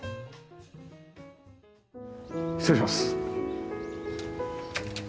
失礼します。